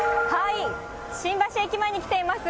新橋駅前に来ています。